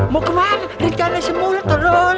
mau kemana rencana semula dodol